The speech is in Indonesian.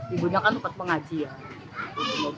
ibunya kan tempat pengajian